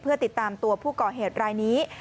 เพื่อติดตามตัวผู้ก่อเหตุรายนี้